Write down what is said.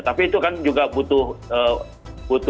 tapi itu kan juga butuh alat bukti